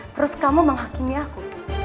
terus kamu menghakimi aku